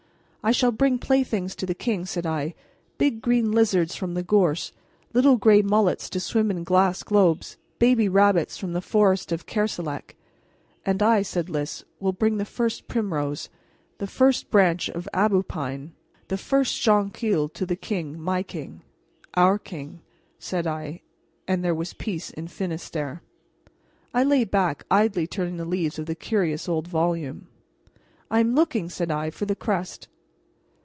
"I shall bring playthings to the king," said I "big green lizards from the gorse, little gray mullets to swim in glass globes, baby rabbits from the forest of Kerselec " "And I," said Lys, "will bring the first primrose, the first branch of aubepine, the first jonquil, to the king my king." "Our king," said I; and there was peace in Finistere. I lay back, idly turning the leaves of the curious old volume. "I am looking," said I, "for the crest."